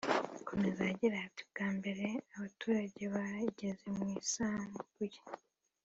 Akomeza agira ati” Bwa mbere abaturage bageze mu isambu ye